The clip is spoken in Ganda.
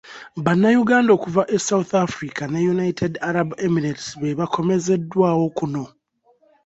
Bannayuganda okuva e South Africa ne United Arab Emirates be baakomezeddwawo kuno.